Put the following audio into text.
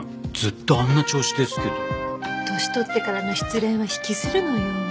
年取ってからの失恋は引きずるのよ。